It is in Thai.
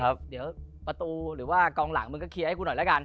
เดี๋ยวประตูหรือว่ากองหลังมึงก็เคลียร์ให้คุณหน่อยแล้วกัน